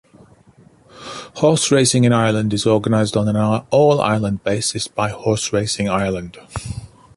Horse racing in Ireland is organised on an All-Ireland basis by Horse Racing Ireland.